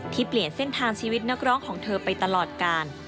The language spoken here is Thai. เปลี่ยนเส้นทางชีวิตนักร้องของเธอไปตลอดกาล